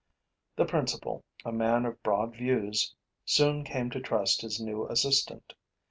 The principal, a man of broad views, soon came to trust his new assistant.